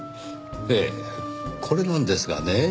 ええこれなんですがね。